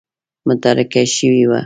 متارکه شوې وه.